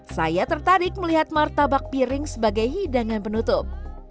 saya tertarik melihat martabak piring sebagai hidangan penutup